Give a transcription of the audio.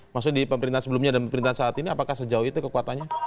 maksudnya di pemerintahan sebelumnya dan pemerintahan saat ini apakah sejauh itu kekuatannya